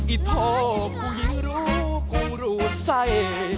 อิโธผู้หญิงรู้ผู้รู้ใส่